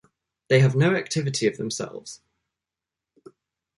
They have no activity of themselves.